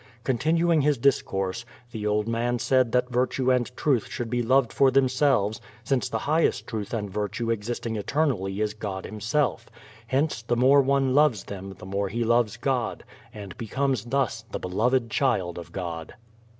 Continuing his discourse, the old man said that virtue and truth should be loved for themselves since the highest truth and virtue existing eternally is God himself; hence the more one loves them the more he loves God, and becomes thus the beloved child of God.